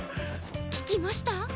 聞きました？